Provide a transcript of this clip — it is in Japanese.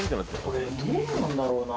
これどうなんだろうな？